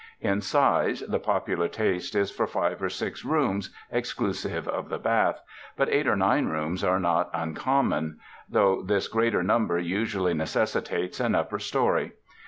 In size, the popular taste is for five or six rooms (exclusive of the bath), but eight or nine rooms are not uncom mon, though this greater number usually necessi tates an upper story.